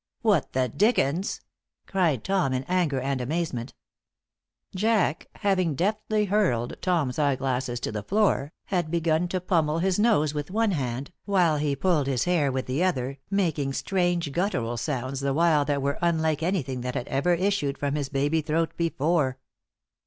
"What the dickens!" cried Tom, in anger and amazement. Jack, having deftly hurled Tom's eyeglasses to the floor, had begun to pummel his nose with one hand while he pulled his hair with the other, making strange, guttural sounds the while that were unlike anything that had ever issued from his baby throat before.